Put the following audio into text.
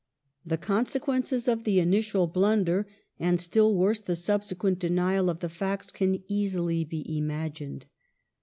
The conse quences of the initial blunder, and still worse the subsequent denial of the facts, can easily be imagined.